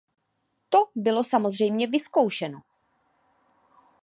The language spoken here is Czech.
To bylo samozřejmě vyzkoušeno.